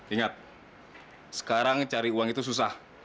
ingat sekarang cari uang itu susah